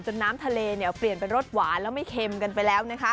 น้ำทะเลเปลี่ยนเป็นรสหวานแล้วไม่เค็มกันไปแล้ว